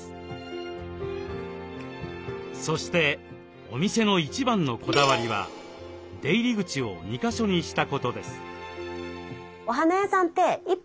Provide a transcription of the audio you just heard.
そしてお店の一番のこだわりは出入り口を２か所にしたことです。